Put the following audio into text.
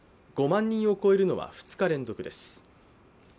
５万人を超えるのは２日連続です。